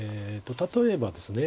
例えばですね。